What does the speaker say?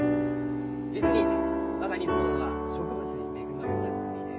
実に我が日本は植物に恵まれた国で。